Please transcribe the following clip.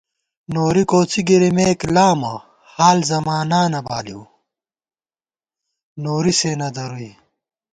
نوری کوڅِی گِرِیمېک لامہ ، حال زمانانہ بالِؤ نوری سے نہ درُوئی